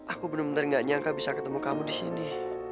aku bener bener nggak nyangka bisa ketemu kamu di sini